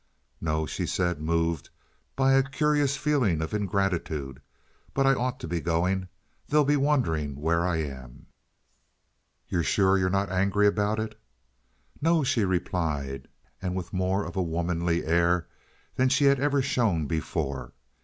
"No," she said, moved by a curious feeling of ingratitude; "but I ought to be going. They'll be wondering where I am." "You're sure you're not angry about it?" "No," she replied, and with more of a womanly air than she had ever shown before.